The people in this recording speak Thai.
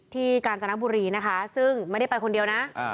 ที่ก่าวจรรย์บุรีโดยไม่ได้ไปคนเดียวนะ